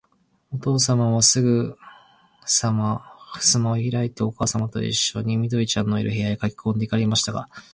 おとうさまは、すぐさまふすまをひらいて、おかあさまといっしょに、緑ちゃんのいる、部屋へかけこんで行かれましたが、